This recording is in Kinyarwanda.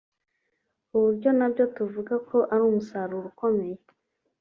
ku buryo na byo tuvuga ko ari umusaruro ukomeye